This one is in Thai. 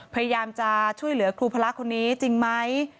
พยายามจะช่วยเหลือครูพระคนนี้จริงไหม